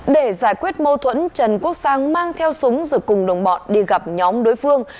để giải quyết mâu thuẫn trần quốc sang mang theo súng rồi cùng đồng bọn đi gặp nhóm đối phương